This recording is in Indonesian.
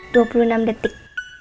dua puluh enam detik